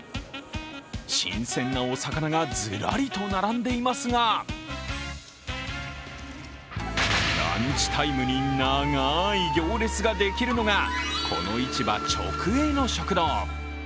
新鮮なお魚がずらりと並んでいますがランチタイムに長い行列ができるのがこの市場直営の食堂。